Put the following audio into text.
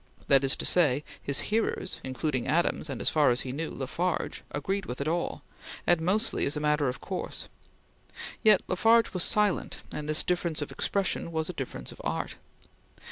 That is to say, his hearers, including Adams and, as far as he knew, La Farge, agreed with it all, and mostly as a matter of course; yet La Farge was silent, and this difference of expression was a difference of art.